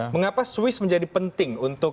mengapa swiss menjadi penting untuk